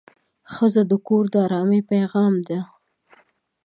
ښځه د کور د ارامۍ پېغام ده.